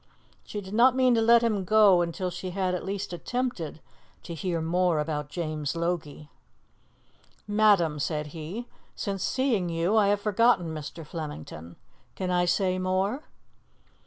She did not mean to let him go until she had at least attempted to hear more about James Logie. "Madam," said he, "since seeing you I have forgotten Mr. Flemington. Can I say more?"